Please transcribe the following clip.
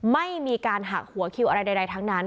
ไม่มีการหักหัวคิวอะไรใดทั้งนั้น